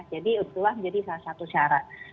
jadi itulah menjadi salah satu syarat